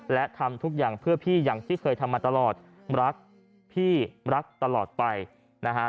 และทำทุกอย่างเพื่อพี่อย่างที่เคยทำมาตลอดรักพี่รักตลอดไปนะฮะ